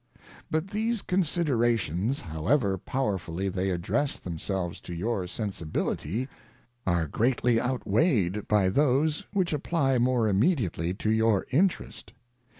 ŌĆö But these considerations, however power fully they address themselves to your sensi bility, are greatly outweighed by those which apply more immediately to your Interest.